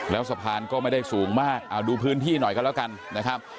แล้วสะพานก็ไม่ได้สูงมากเอาดูพื้นที่หน่อยกันแล้วกันนะครับ